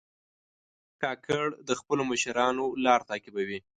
کاکړ د خپلو مشرانو لار تعقیبوي.